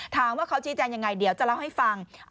ถามว่าเขาชี้แจงยังไงเดี๋ยวจะเล่าให้ฟัง